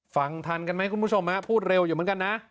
ฟังทันกันไหมคุณผู้ชมพูดเร็วอยู่เหมือนกันนะ